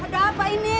ada apa ini